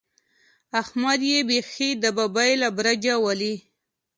احمد يې بېخي د ببۍ له برجه ولي.